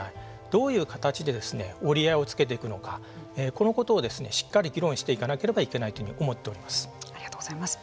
どういう形で折り合いをつけていくのかこのことをしっかり議論していかなければいけないありがとうございます。